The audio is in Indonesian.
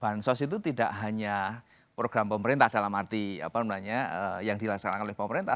bansos itu tidak hanya program pemerintah dalam arti apa namanya yang dilaksanakan oleh pemerintah